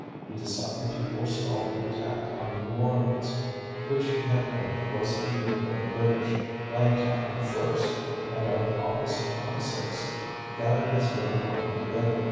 He decided to forestall the attack on New Orleans, which he had learned was to be made by the British, by attacking first, and on August 26 gathered his little army together.